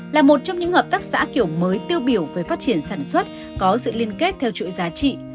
là một trong những hợp tác xã kiểu mới tiêu biểu về phát triển sản xuất có sự liên kết theo chuỗi giá trị